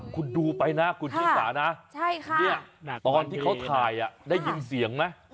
คุณดูไปนะคุณชิสานะตอนที่เขาถ่ายได้ยินเสียงไหม